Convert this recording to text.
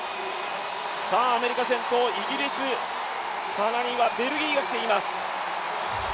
アメリカ先頭、イギリス、更にはベルギーが来ています。